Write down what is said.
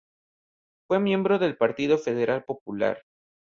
Fue miembro del Partido Federal Popular.